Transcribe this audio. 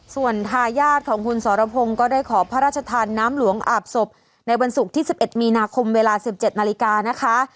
ส่วนทายาทของคุณสรพงศ์ก็ได้ขอพระราชทานน้ำหลวงอาบศพในวันศุกร์ที่๑๑มีนาคมเวลา๑๗นาฬิกานะคะ